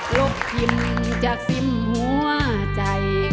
ลูกยิ้มจากซิมหัวใจ